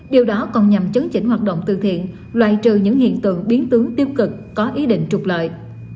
điều đó còn nhằm chấn chỉnh hoạt động từ thiện loại trừ những hiện tượng biến tướng tiêu cực có ý định trục lợi